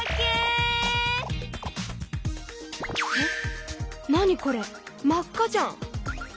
え何これ真っ赤じゃん！